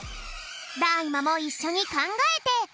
ＤＡ−ＩＭＡもいっしょにかんがえて。